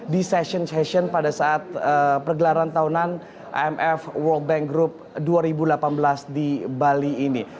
di session session pada saat pergelaran tahunan imf world bank group dua ribu delapan belas di bali ini